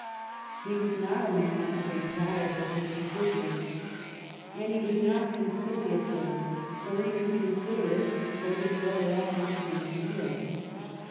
He was not a man of a pliable disposition, and he was not con ciliatory, or even considerate, towards his brother offi cers in the field.